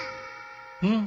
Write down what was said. うん？